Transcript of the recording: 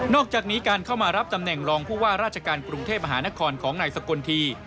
อกจากนี้การเข้ามารับตำแหน่งรองผู้ว่าราชการกรุงเทพมหานครของนายสกลที